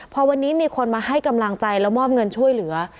พอวันนี้มีคนมาให้กำลังใจแล้วมอบเงินช่วยเหลือ